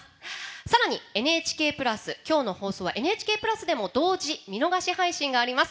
さらに、今日の放送はＮＨＫプラスでも同時・見逃し配信があります。